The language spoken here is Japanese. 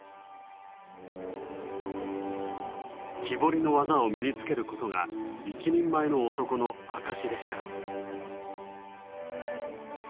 木彫りの技を身につけることが一人前の男の証しでした。